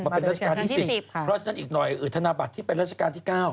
เพราะฉะนั้นอีกหน่อยอืดธนาบัตรที่เป็นราชการที่๙